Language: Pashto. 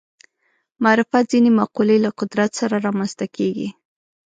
معرفت ځینې مقولې له قدرت سره رامنځته کېږي